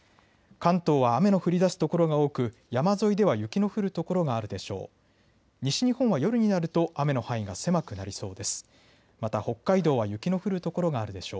関東は雨の降りだす所が多く山沿いでは雪の降る所があるでしょう。